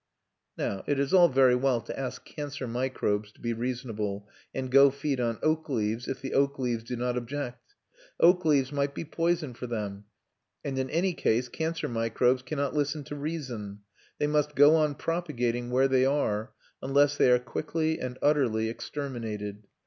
Now it is all very well to ask cancer microbes to be reasonable, and go feed on oak leaves, if the oak leaves do not object; oak leaves might be poison for them, and in any case cancer microbes cannot listen to reason; they must go on propagating where they are, unless they are quickly and utterly exterminated.